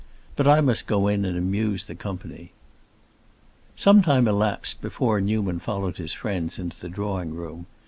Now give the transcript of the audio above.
But I must go in and amuse the company." Some time elapsed before Newman followed his friends into the drawing room.